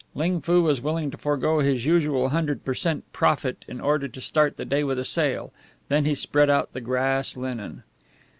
Ling Foo was willing to forego his usual hundred per cent. profit in order to start the day with a sale. Then he spread out the grass linen.